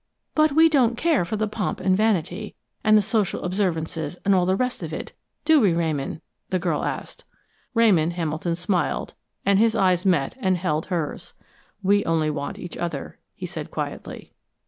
"But we don't care for the pomp and vanity, and the social observances, and all the rest of it, do we, Ramon?" the girl asked. Ramon Hamilton smiled, and his eyes met and held hers. "We only want each other," he said quietly.